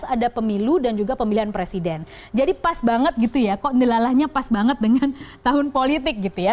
ada pemilu dan juga pemilihan presiden jadi pas banget gitu ya kok nilalahnya pas banget dengan tahun politik gitu ya